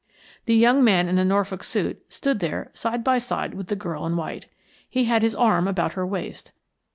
The young man in the Norfolk suit stood there side by side with the girl in white. He had his arm about her waist.